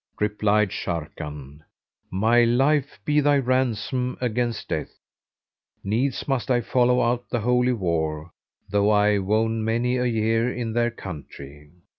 Replied Sharrkan, "My life be thy ransom against death! Needs must I follow out the Holy War, though I wone many a year in their country.